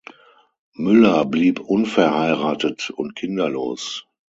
Müller blieb unverheiratet und kinderlos.